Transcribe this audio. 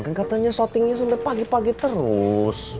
kan katanya shottingnya sampai pagi pagi terus